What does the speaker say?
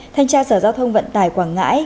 thanh tra sở giao thông vận tải quảng ngãi